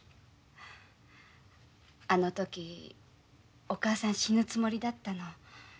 あの時お母さん死ぬつもりだったの。